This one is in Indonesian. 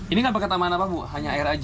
ini kan pakai tambahan apa bu hanya air aja